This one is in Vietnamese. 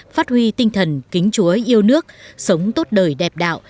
phát huy tinh thần kính chúa yêu nước sống tốt đời đẹp đạo